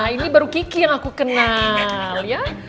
ini baru kiki yang aku kenal ya